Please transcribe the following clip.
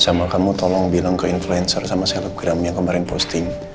sama kamu tolong bilang ke influencer sama selebgram yang kemarin posting